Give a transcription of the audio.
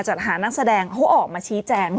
จัดหานักแสดงเขาออกมาชี้แจง